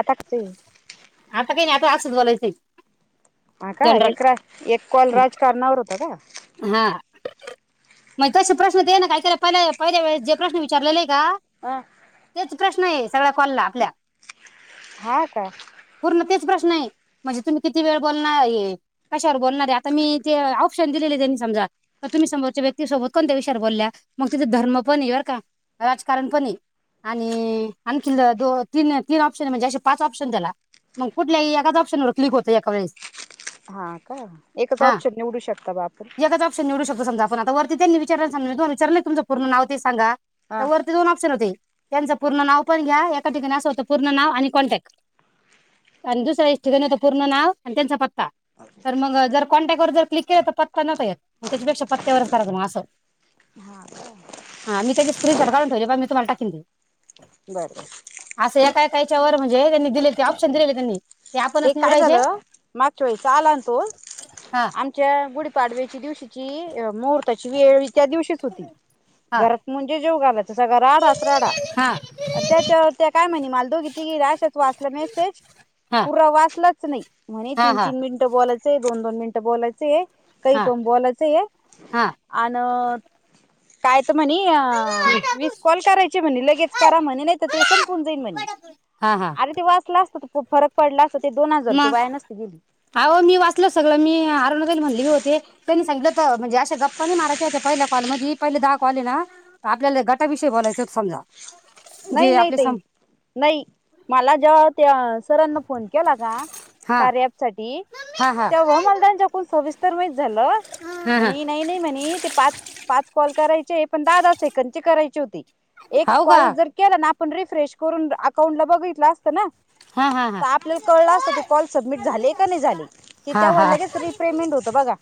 आता कसए? फक्त असच बोलायचय हां का, एक रा एक कॉल राजकारणावर होता का? हां मग तसे प्रश्न दे ना काय तर त्याला पहिल्या पहिल्या वेळेस जे प्रश्न विचारलेले का तेच प्रश्न आहे सगळ्या कॉलला आपल्या. हां का? किती प्रश्नए म्हणजे तुम्ही किती वेळ बोलणार कशावर बोलणारे आता मी ते ऑप्शन दिलेले त्यांनी समजा तुम्ही समोरच्या व्यक्ती सोबत कोणत्या विषयावर बोलल्या मग तिथ धर्म पण ए बरं का राजकारण पण ए आणि आणखी दो तीन तीन ऑप्शन म्हणजे असे पाच ऑप्शन त्याला मग कुठल्याही एकाच ऑप्शन वर क्लिक होतं एका वेळेस हा का एकच हा ऑप्शन निवडू शक एकच ऑप्शन निवडू शकतो समजा. पण आता वरती त्यांनी विचारलं [unintelligible] विचार नाही तुमचं पूर्ण नाव ते सांगा? त हा वरती दोन ऑप्शन होते. त्यांचं पूर्ण नाव पण घ्या एका ठिकाणी अस होतं पूर्ण नाव आणि कॉन्टॅक आणि दुसऱ्या ठिकाणी होत पूर्ण नाव आणि त्यांचा पत्ता तर मग जर कॉन्टॅक वर जर क्लिक केलं तर पत्ता नव्हता येत मग त्याच्यापेक्षा पत्त्यावरच करायचं मग असं, बर हां मी त्याची स्क्रीनशॉट काढून ठेवली बा मी तुम्हाला टाकीन ते. बरं त्याच्या वर म्हणजे त्यांनी दिले ते ऑप्शन दिलेले त्यांनी. आपणच हे काय निवडायचे झालं मागच्या वेळीचा आला ना तो हा आमच्या गुढी पाडव्याच्या दिवशीची मुहूर्ताची वेळ त्या दिवशीच होती हा घरात म्हणजे जेवू घालते. तर सगळा राडाच राडा हा आणि त्याच्यावर त्या काय म्हणेल मला दोघी तिघी अशाच वाचला मेसेज हा तु वाचलच नाही. म्हणे हा तीन हा तीन मिनिटं बोलायचं ते दोन दोन मिनटं बोलायचे काही हा पण बोलायचे अ हा आण. काय? म्हणे वीस कॉल करायचे म्हणे लगेच करा म्हणे नाही तर ते संपून जाईल म्हणे हा हा अरे ते वाचला असतं तर पडलाच मग आवो मी वाचल सगळ मी आरूणा ताई म्हणली होती त्यांनी सांगितलं. [unintelligible] गप्पा नाही मारायच्या ते पहिला काॅल म्हणजे पहिले दहा काॅल हाय ना आपल्याला गटाविषयी बोलायच होत समजा नाही जे नाही आपले ताई सम नाही मला ज्या त्या सरांना फोन केला का हा कार्य ॲप साठी हा हा तेव्हा मला यांच्याकडून समजल. विस्तार [unintelligible] झालं हा हा म्हणे नाही नाही म्हणे ते पाच पाच कॉल करायचे पण दहा दहा सेंकदचे करायचे होते एक हवं का कॉल जर केला ना आपण रिफ्रेश करून अकाउंट ला बघितलं असतं ना. हा हा हा तर आपल्याला कळलं असत ते कॉल सबमिट झाले का नाही झाले ते त्या हा तेव्हा हा लगेच रिपेमेंट होत बघा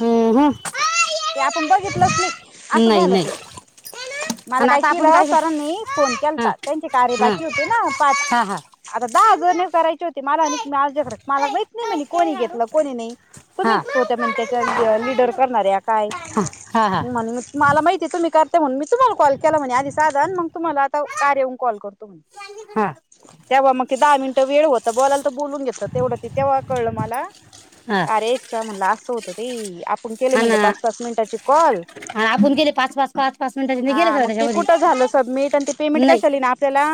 हम्म हम्म ते आपण बघितलंच नाही असं नाही झालं नाही ते मला आणि काय आता आपण केलं सरांनी? फोन हा केलता त्यांचे कार्य हा हा बाकी होते ना पाच हा हा आता फोन दहा जणी करायचे होते मला नाहीत मला माहीत नाही म्हणे कोणी घेतलं कोणी नाही? हा तुम्हीच होत्या म्हणे त्याच्या लिडर करणाऱ्या काय हा हा हा म्हणून मला माहित ते तुम्ही करताय म्हणून मी तुम्हाला कॉल केला म्हणे आधी साधा आणि मग तुम्हाला आता कार्या वरुन कॉल करतो म्हणे तेव्हा मग ते दहा मिनटं वेळ होत बोलाल तर बोलून घेत तेवढं ते तेव्हा कळलं मला हा अरे च्या म्हटलं अस असं होत ते फोन केले म्हटलं पाच पाच मिनिटाचे कॉल आ आपूण गेले पाच पाच पाच पाच मिनिटाचे मी गेले हा की नाय मग ते त्याच्यामदी कुठं झालं सबमिट, आणि ते पेमेंट कशाला यीन आपल्याला.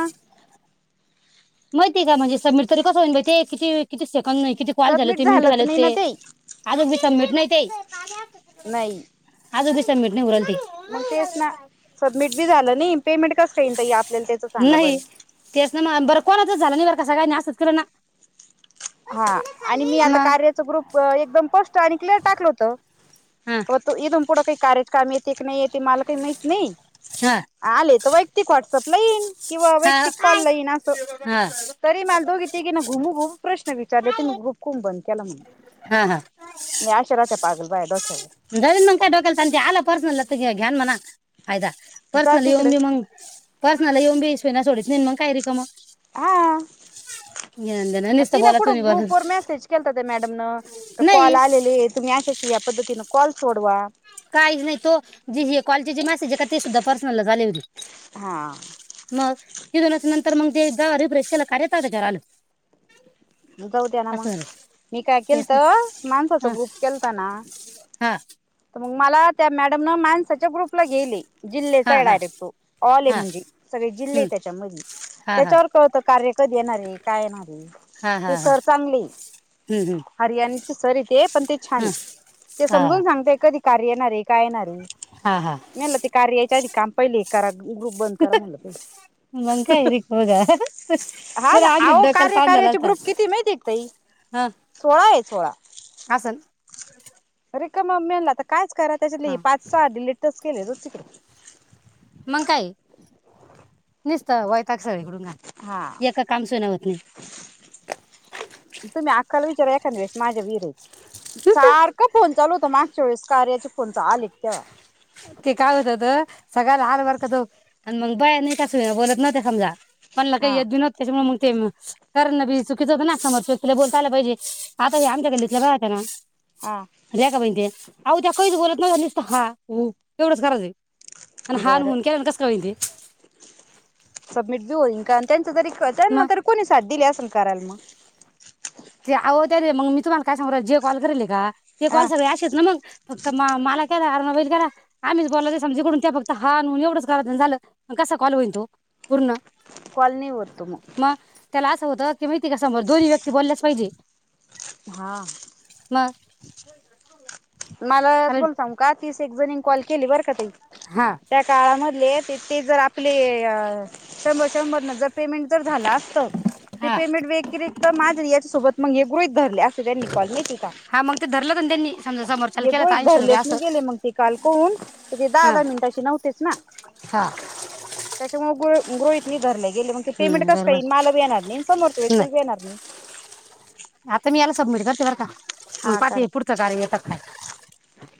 माहिती आहे का म्हणजे सबमीट तरी कसं होईन बई ते किती कितीसंक नही किती कॉल झाले सबमिट तीन मिंटं झालंच झाले नाही ना ते आजूनबी सबमीट नाही ते नाही आजूनबी सबमीट नाही होऊ राहिलं ते. मग तेच ना सबमिट बी झालं नाही [unintelligible] सांगा नाही बरं तेच ना मा बरं कोण झालं नाही बर का सगळयानी असंच केलं ना. हा आणि मी आता कार्याचं ग्रुप एकदम स्पष्ट आणि क्लिअर टाकलं होतं हा तू इथून पुढं काही कार्यात काम येते की नाही येते मला काही माहीत नाही हा हा आले का वैयक्तिक व्हॉट्सअप ला येईन किंवा हा वैयक्तिक कॉल ला येईन असं हा तरी मला दोघी तिघी ना घुम घूम प्रश्न विचारले तुम्ही ग्रुप कून बंद केला म्हणून, हा या अशा राहत्यात. पागल बाया दो जाऊ दे मग, काय डोक्याला ताण ते आल पर्सनलला त घ्याय घ्यान म्हणा? फायदा जा पर्सनलला तिकडे येउंदे मंग पर्सनलला येउनबी इस्वी ना सोडी [unintelligible] कायरी हा घेणं नुसतं तिनं बोलायचं नाही कुठं ग्रुप वर बोलायचं मेसेज केलता त्या मॅडमनं तं कॉल नाही आलेलेये तुम्ही अशे अशे या पद्धतीनं कॉल सोडवा. काहीच नाही तो जे हे कॉलेजीचे मेसेज आहे का ते सुद्धा पर्सनलला झाले होते हा तिनं नंतर मग ते एकदा रिफ्रेश केलं कार्य तवा त्याच्यावर आलं. जाऊ द्या ना मग असं झालं मी काय तेच ना. केलतं माणसाचा ग्रुप केलता ना हा मग मला, त्या मॅडमनं माणसाच्या ग्रुपला घेयले. जिल्ह्याचा हा हाय हा डायरेक्ट तो ऑल आहे हा म्हणजे सगळे जिल्हेय हम्म, त्याच्या मधी हा हा त्याच्यावर कळतं कार्य कधी येणार आहे काय येणार आहे. हा ते हा हा सर चांगलेय, हम्म, हरियाणचे सरये ते पण ते छान हम्म, हे ते हा हा समजून सांगते कधी कार्य येणारे काय नाही हा हा म्हणलं ते कार्य यायच्या अधी काम पहिलं येतं कराल मंग काय रीक बगा हा ना अहो कार्य कार्याचे [unintelligible] ग्रुप किती, माहितीय का ताई सोळाय सोळा [inaudible] रिकामा मेला तर कायच करा त्याच्यातले हे हा पाच सहा डिलिटच केल रोजचं केलं मग काय निस्त वय का सळीकडून हा घाल एक काम सोन होत नाही तुम्ही अक्काला विचारा एकाद्या वेळेस माझ्या विरही नाही सारखं फोन चालू त मागच्या वेळेस कार्याचे फोनचं आलेत तेव्हा ते काय होत होतं [unintelligible] कोणला काय हा यत बी नव्हत त्याच्यामुळ म ते म करण बी चुकीच होत ना समोर च तुला बोलता आलं पाहिजे आता या आमच्या गल्लीतल्या बाया त ना हा रेखा बाई तेे आओ त्या काईच बोलतं नाई नीस हा हो तेवढंच करायचय आनं हान बरं हून केल नं कसं काय होईल ते सबमिट [inaudible] [unintelligible] त्यांना मग तरी कोणी साथ दिली अस ण कराल म ते आहो ते रे मंग मी तुम्हाला काय सांगू राहिली जे कॉल करेलय का ते हा कॉल सगळे अशेच ना मंग [unintelligible] कॉल नी होत तो म होत असती माहिती का समोर दोन्ही व्यक्ती बोलल्याच पैजे हा [inaudible] मला चालेल बोल सांग का तीस एक जणीन कॉल केली बर का ताई हां त्या काळाम हे ते जर आपले अ शंभर शंभर न् जर पेमेंट जर झाला ते हां पेमेंट व्यतिरिक्त माझं याच्या सोबत मग एक गृहीत धरलं गृहित धरलय असं त्यांनी कॉल महिते का हां मग ते धरलं तर त्यांनी समजा समोरच्याला ये केलं तर गृहीत ऐंशी रुपये धरलेच असं नाही गेले मग ते काल कॉल तर ते दहा हां दहा मिनिटाची नव्हतेच ना हां त्यामुळं गुळ गृहीत नही धरले गेले मग ते पेमेंट हं, कस काय बरोबर येईन मला बी येणार नाई समोरच्या नाही व्यक्तीला बी येणार नई ते बर का मंग पाती पुढचा कार्य घेता की काय?